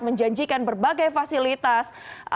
menjanjikan berbagai fasilitas